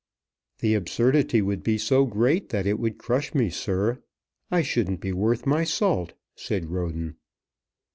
"The absurdity would be so great that it would crush me, sir. I shouldn't be worth my salt," said Roden.